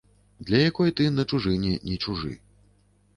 Для якой ты на чужыне не чужы.